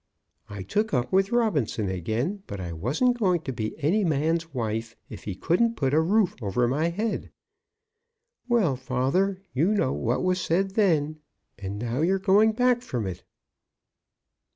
I took up with Robinson again; but I wasn't going to be any man's wife, if he couldn't put a roof over my head. Well, father, you know what was said then, and now you're going back from it."